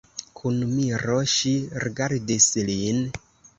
Kun miro ŝi rigardis lin.